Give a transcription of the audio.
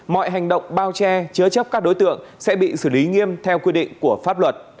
mọi hành động bao che chứa chấp các đối tượng sẽ bị xử lý nghiêm theo quy định của pháp luật